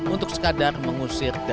untuk sekadar mengusir dahan